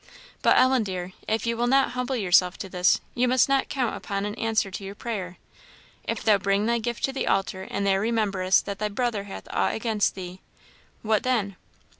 But, Ellen, dear, if you will not humble yourself to this, you must not count upon an answer to your prayer. 'If thou bring thy gift to the altar, and there rememberest that thy brother hath aught against thee' what then?